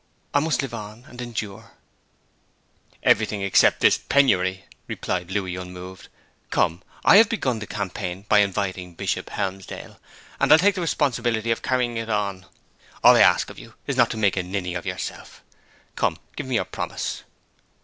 I must live on, and endure ' 'Everything except this penury,' replied Louis, unmoved. 'Come, I have begun the campaign by inviting Bishop Helmsdale, and I'll take the responsibility of carrying it on. All I ask of you is not to make a ninny of yourself. Come, give me your promise!'